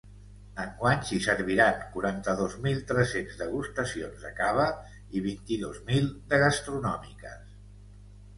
Enguany s’hi serviran quaranta-dos mil tres-cents degustacions de cava i vint-i-dos mil de gastronòmiques.